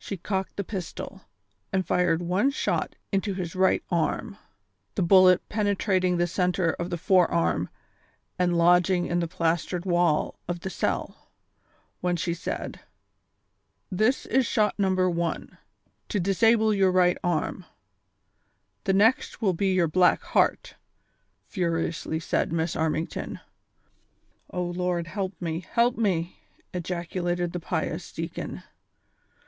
She cocked the pistol, and fired one shot into his right arm, the bullet penetrating the centre of the forearm and lodging in the plastered wall of the cell, when she said :" This is shot number one, to disable your right aim ; the next will be your black heart," furiously said Miss Armington. " O Lord, help me, help me !" ejaculated the pious deacon.